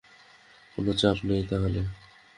কোনো চাপ নেই, তাহলে।